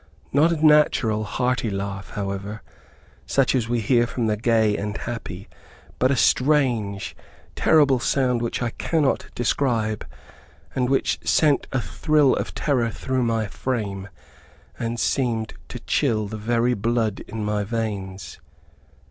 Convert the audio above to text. Not a natural, hearty laugh, however, such as we hear from the gay and happy, but a strange, terrible, sound which I cannot describe, and which sent a thrill of terror through my frame, and seemed to chill the very blood in my veins.